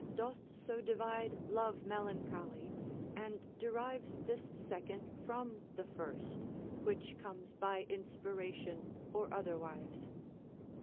doth so divide love melancholy, and derives this second from the first, which comes by inspiration or otherwise.